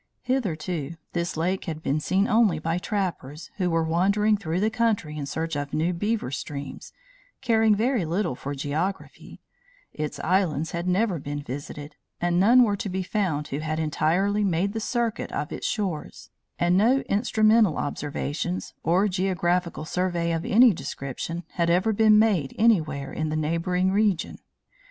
"Hitherto this lake had been seen only by trappers, who were wandering through the country in search of new beaver streams, caring very little for geography; its islands had never been visited; and none were to be found who had entirely made the circuit of its shores, and no instrumental observations, or geographical survey of any description, had ever been made anywhere in the neighboring region.